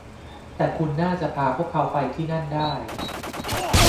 แต่คุณน่าจะพาพวกเขาไปที่นั่นได้